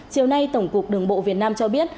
chiều nay tổng cục đường bộ việt nam cho biết